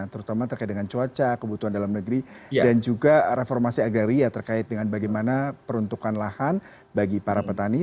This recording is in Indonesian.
terutama terkait dengan cuaca kebutuhan dalam negeri dan juga reformasi agraria terkait dengan bagaimana peruntukan lahan bagi para petani